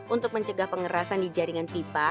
untuk mencegah pengerasan di jaringan pipa